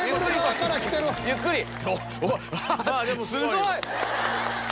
すごい！